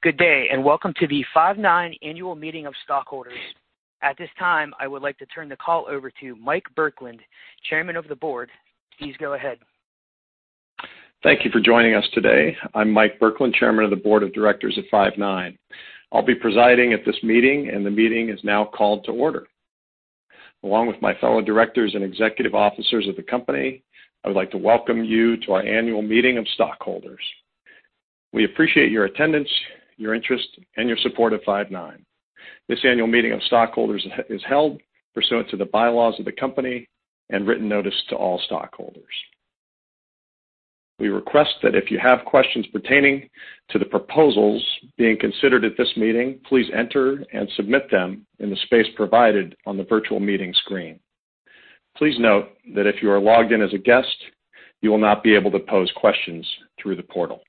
Good day, and welcome to the Five9 Annual Meeting of Stockholders. At this time, I would like to turn the call over to Mike Burkland, Chairman of the Board. Please go ahead. Thank you for joining us today. I'm Mike Burkland, Chairman of the Board of Directors at Five9. I'll be presiding at this meeting, and the meeting is now called to order. Along with my fellow directors and executive officers of the company, I would like to welcome you to our annual meeting of stockholders. We appreciate your attendance, your interest, and your support of Five9. This annual meeting of stockholders is held pursuant to the bylaws of the company and written notice to all stockholders. We request that if you have questions pertaining to the proposals being considered at this meeting, please enter and submit them in the space provided on the virtual meeting screen. Please note that if you are logged in as a guest, you will not be able to pose questions through the portal.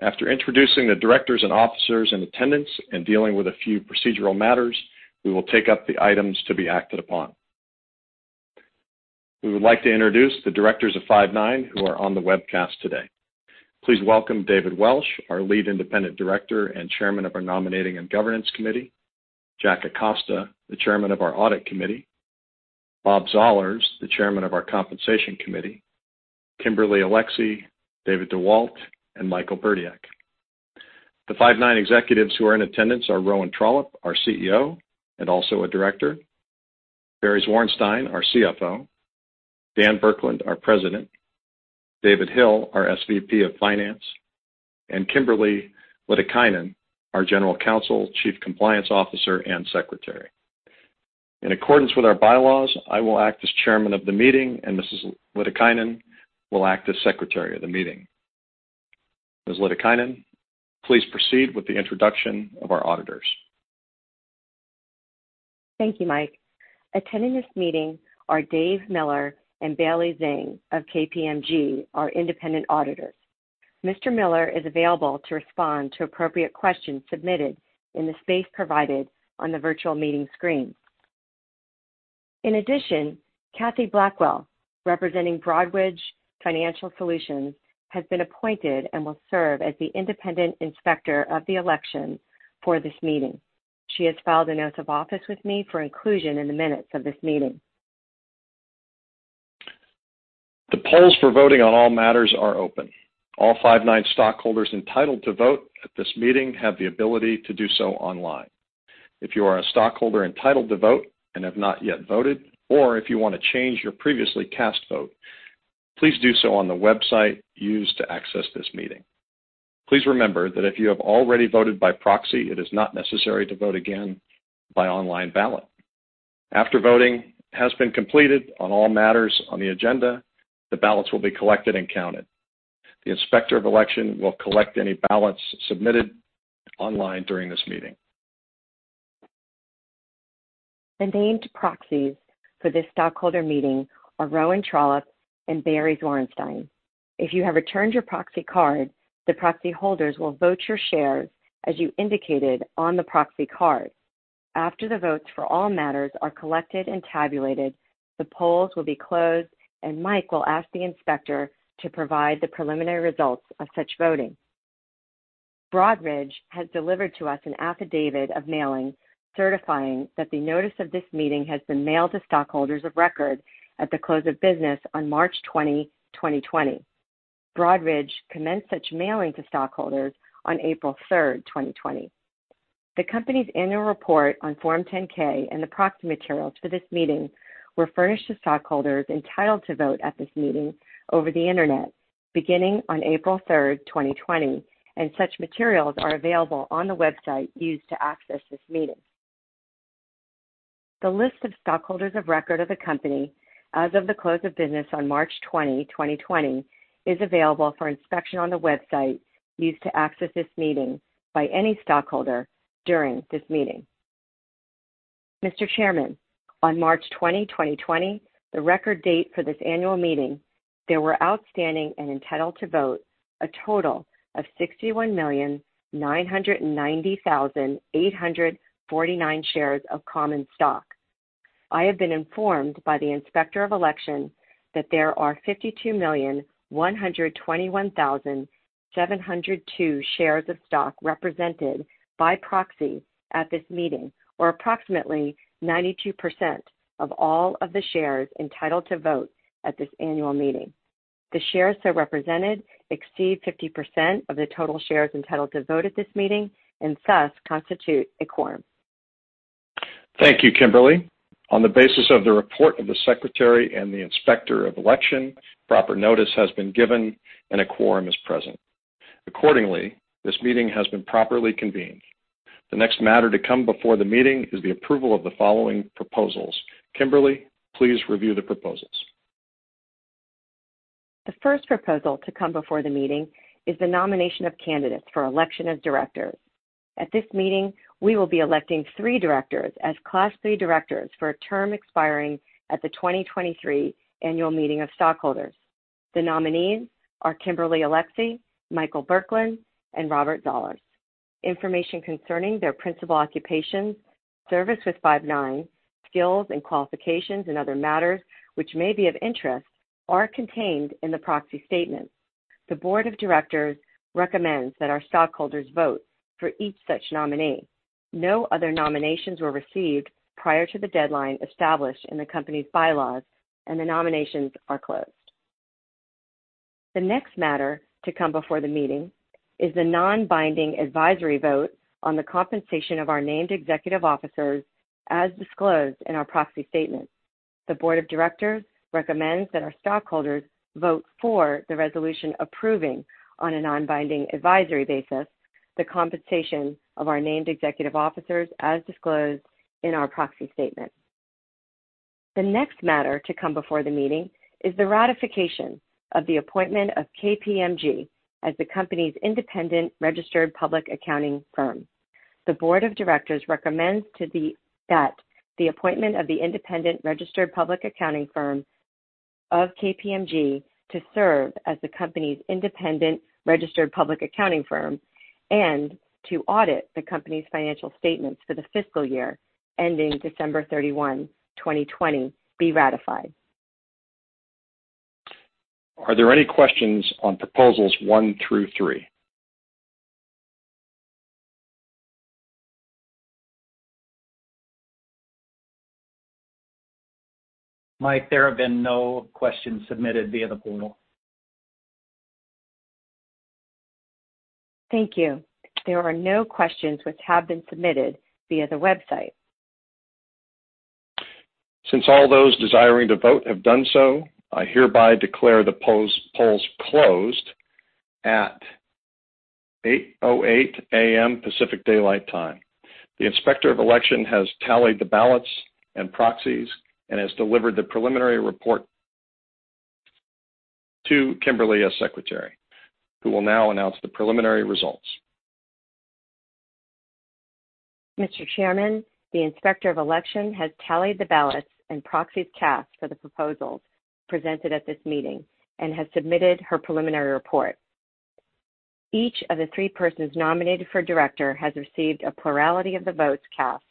After introducing the directors and officers in attendance and dealing with a few procedural matters, we will take up the items to be acted upon. We would like to introduce the directors of Five9 who are on the webcast today. Please welcome David Welsh, our Lead Independent Director and Chairman of our Nominating and Governance Committee, Jack Acosta, the Chairman of our Audit Committee, Bob Zollars, the Chairman of our Compensation Committee, Kimberly Alexy, David DeWalt, and Michael Burdiek. The Five9 executives who are in attendance are Rowan Trollope, our CEO and also a director, Barry Zwarenstein, our CFO, Dan Burkland, our President, David Hill, our SVP of Finance, and Kimberly Lytikainen, our General Counsel, Chief Compliance Officer, and Secretary. In accordance with our bylaws, I will act as chairman of the meeting, and Mrs. Lytikainen will act as secretary of the meeting. Ms. Lytikainen, please proceed with the introduction of our auditors. Thank you, Mike. Attending this meeting are Dave Miller and Bailey Zeng of KPMG, our independent auditors. Mr. Miller is available to respond to appropriate questions submitted in the space provided on the virtual meeting screen. In addition, Kathy Blackwell, representing Broadridge Financial Solutions, has been appointed and will serve as the independent inspector of the election for this meeting. She has filed the oath of office with me for inclusion in the minutes of this meeting. The polls for voting on all matters are open. All Five9 stockholders entitled to vote at this meeting have the ability to do so online. If you are a stockholder entitled to vote and have not yet voted, or if you want to change your previously cast vote, please do so on the website used to access this meeting. Please remember that if you have already voted by proxy, it is not necessary to vote again by online ballot. After voting has been completed on all matters on the agenda, the ballots will be collected and counted. The Inspector of Election will collect any ballots submitted online during this meeting. The named proxies for this stockholder meeting are Rowan Trollope and Barry Zwarenstein. If you have returned your proxy card, the proxy holders will vote your shares as you indicated on the proxy card. After the votes for all matters are collected and tabulated, the polls will be closed, and Mike will ask the inspector to provide the preliminary results of such voting. Broadridge has delivered to us an affidavit of mailing certifying that the notice of this meeting has been mailed to stockholders of record at the close of business on March 20, 2020. Broadridge commenced such mailing to stockholders on April third, 2020. The company's annual report on Form 10-K and the proxy materials for this meeting were furnished to stockholders entitled to vote at this meeting over the internet beginning on April third, 2020, and such materials are available on the website used to access this meeting. The list of stockholders of record of the company as of the close of business on March 20, 2020, is available for inspection on the website used to access this meeting by any stockholder during this meeting. Mr. Chairman, on March 20, 2020, the record date for this annual meeting, there were outstanding and entitled to vote a total of 61,990,849 shares of common stock. I have been informed by the Inspector of Election that there are 52,121,702 shares of stock represented by proxy at this meeting, or approximately 92% of all of the shares entitled to vote at this annual meeting. The shares so represented exceed 50% of the total shares entitled to vote at this meeting and thus constitute a quorum. Thank you, Kimberly. On the basis of the report of the Secretary and the Inspector of Election, proper notice has been given, and a quorum is present. Accordingly, this meeting has been properly convened. The next matter to come before the meeting is the approval of the following proposals. Kimberly, please review the proposals. The first proposal to come before the meeting is the nomination of candidates for election as directors. At this meeting, we will be electing three directors as Class III directors for a term expiring at the 2023 annual meeting of stockholders. The nominees are Kimberly Alexy, Michael Burkland, and Robert Zollars. Information concerning their principal occupations, service with Five9, skills and qualifications and other matters which may be of interest are contained in the proxy statement. The board of directors recommends that our stockholders vote for each such nominee. No other nominations were received prior to the deadline established in the company's bylaws, and the nominations are closed. The next matter to come before the meeting is the non-binding advisory vote on the compensation of our named executive officers as disclosed in our proxy statement. The board of directors recommends that our stockholders vote for the resolution approving, on a non-binding advisory basis, the compensation of our named executive officers as disclosed in our proxy statement. The next matter to come before the meeting is the ratification of the appointment of KPMG as the company's independent registered public accounting firm. The board of directors recommends that the appointment of the independent registered public accounting firm of KPMG to serve as the company's independent registered public accounting firm and to audit the company's financial statements for the fiscal year ending December 31, 2020, be ratified. Are there any questions on proposals one through three? Mike, there have been no questions submitted via the portal. Thank you. There are no questions which have been submitted via the website. Since all those desiring to vote have done so, I hereby declare the polls closed at 8:08 A.M. Pacific Daylight Time. The Inspector of Election has tallied the ballots and proxies and has delivered the preliminary report to Kimberly, as Secretary, who will now announce the preliminary results. Mr. Chairman, the Inspector of Election has tallied the ballots and proxies cast for the proposals presented at this meeting and has submitted her preliminary report. Each of the three persons nominated for director has received a plurality of the votes cast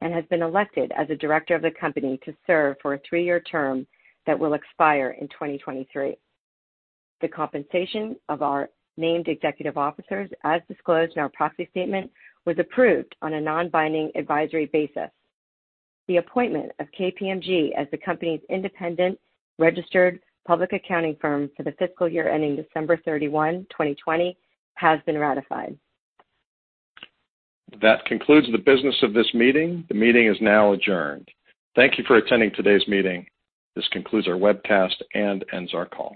and has been elected as a director of the company to serve for a three-year term that will expire in 2023. The compensation of our named executive officers, as disclosed in our proxy statement, was approved on a non-binding advisory basis. The appointment of KPMG as the company's independent registered public accounting firm for the fiscal year ending December 31, 2020, has been ratified. That concludes the business of this meeting. The meeting is now adjourned. Thank you for attending today's meeting. This concludes our webcast and ends our call.